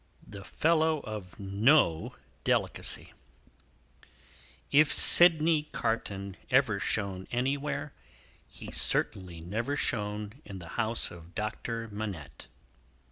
The Fellow of No Delicacy If Sydney Carton ever shone anywhere, he certainly never shone in the house of Doctor Manette.